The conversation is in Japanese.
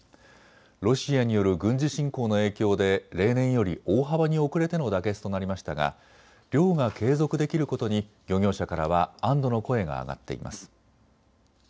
ロシアによる軍事侵攻の影響で例年より大幅に遅れての妥結となりましたが漁が継続できることに漁業者からは安どの声が上がっています。